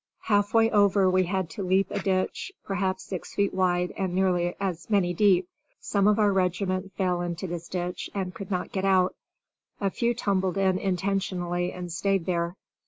Halfway over we had to leap a ditch, perhaps six feet wide and nearly as many deep. Some of our regiment fell into this ditch and could not get out, a few tumbled in intentionally and stayed there.